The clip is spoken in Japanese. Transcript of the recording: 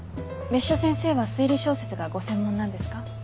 別所先生は推理小説がご専門なんですか？